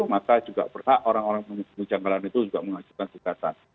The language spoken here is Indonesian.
maka juga berhak orang orang yang menemukan kecanggalan itu juga menghasilkan kekuatan